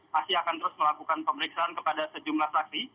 masih akan terus melakukan pemeriksaan kepada sejumlah saksi